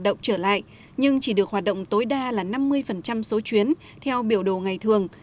hoạt động trở lại nhưng chỉ được hoạt động tối đa là năm mươi số chuyến theo biểu đồ ngày thường